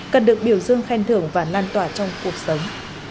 cần được biểu dương khen thưởng và lan tỏa trong cuộc sống